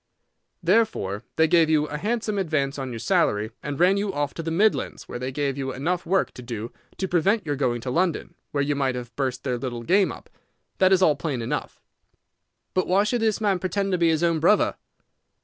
Therefore they gave you a handsome advance on your salary, and ran you off to the Midlands, where they gave you enough work to do to prevent your going to London, where you might have burst their little game up. That is all plain enough." "But why should this man pretend to be his own brother?"